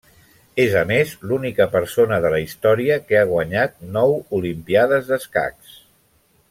És a més l'única persona de la història que ha guanyat nou Olimpíades d'escacs.